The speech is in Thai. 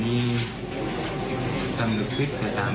อืมมันพยายาม